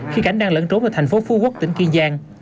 khi cảnh đang lẫn trốn ở thành phố phú quốc tỉnh kiên giang